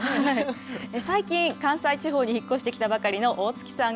最近、関西地方に引っ越してきたばかりの大槻さん